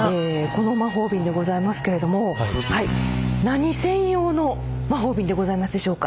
この魔法瓶でございますけれども何専用の魔法瓶でございますしょうか？